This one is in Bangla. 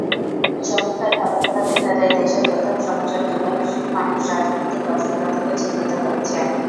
সমীক্ষার ফলাফলে দেখা যায়, দেশের প্রধান সমস্যা হিসেবে মানুষ রাজনৈতিক অস্থিরতাকে চিহ্নিত করেছে।